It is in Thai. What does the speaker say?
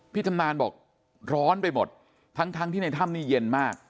ชำนาญบอกร้อนไปหมดทั้งที่ในถ้ำนี้เย็นมาก